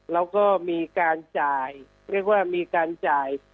แล้วก็มีการจ่ายเรียกว่ามีการจ่าย